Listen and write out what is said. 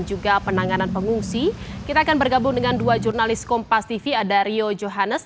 juga penanganan pengungsi kita akan bergabung dengan dua jurnalis kompas tv ada rio johannes